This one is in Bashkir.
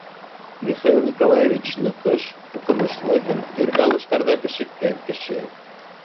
Михаил Николаевич — ныҡыш, уҡымышлы һәм төрлө алыштарҙа бешеккән кеше.